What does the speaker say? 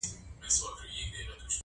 • او ستا پت مي په مالت کي دی ساتلی -